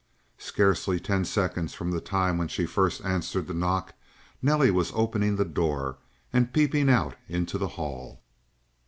Scarcely ten seconds from the time when she first answered the knock, Nelly was opening the door and peeping out into the hall.